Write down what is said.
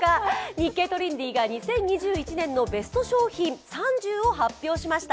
「日経トレンディ」が２０２１年のベスト商品３０を発表しました。